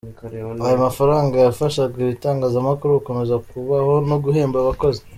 Ayo mafaranga yafashaga ibitangazamakuru gukomeza kubaho no guhemba abakozi.